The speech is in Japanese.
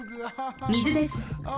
水です。